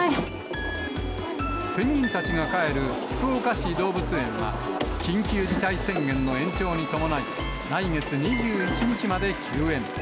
ペンギンたちが帰る福岡市動物園は、緊急事態宣言の延長に伴い、来月２１日まで休園。